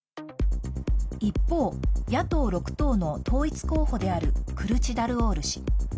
一方、野党６党の統一候補であるクルチダルオール氏。